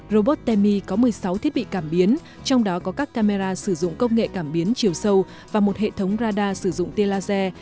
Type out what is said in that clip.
robot temi có một mươi sáu thiết bị cảm biến trong đó có các camera sử dụng công nghệ cảm biến chiều sâu và một hệ thống radar sử dụng tia laser